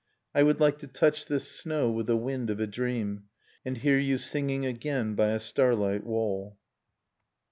I would like to touch this snow with the wind of a | dream :; And hear you singing again by a starlight wall